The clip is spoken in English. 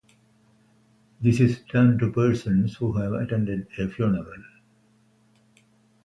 This is done to persons who have attended a funeral.